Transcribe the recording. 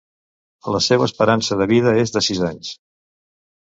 La seua esperança de vida és de sis anys.